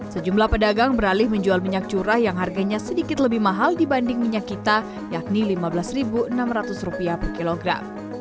sejumlah pedagang beralih menjual minyak curah yang harganya sedikit lebih mahal dibanding minyak kita yakni rp lima belas enam ratus per kilogram